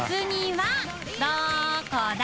磴，どこだ？